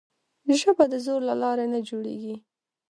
ژبه د زور له لارې نه جوړېږي.